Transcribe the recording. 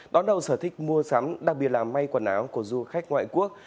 đón đầu sở thích mua sắm đặc biệt là may quần áo của du khách ngoại quốc